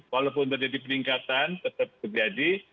walaupun terjadi peningkatan tetap terjadi